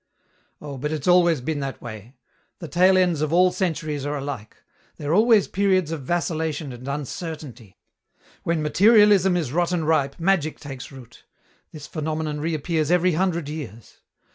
"Oh, but it's always been that way. The tail ends of all centuries are alike. They're always periods of vacillation and uncertainty. When materialism is rotten ripe magic takes root. This phenomenon reappears every hundred years.